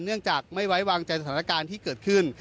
เนื่องจากไม่ไว้วางใจสถานการณ์ที่เกิดขึ้น